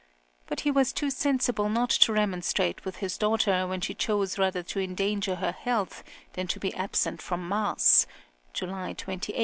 But he was too sensible not to remonstrate with his daughter when she chose rather to endanger her health than to be absent from mass (July 28, 1786).